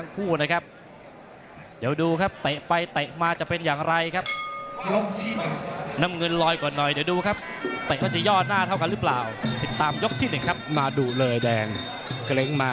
พระเพศจอมยุทธ์ไตรท์ตำรา